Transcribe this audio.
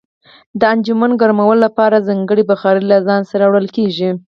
د انجن ګرمولو لپاره ځانګړي بخارۍ له ځان سره وړل کیږي